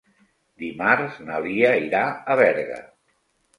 Dimarts na Lia irà a Berga.